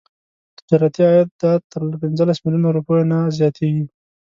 تجارتي عایدات تر پنځلس میلیونه روپیو نه زیاتیږي.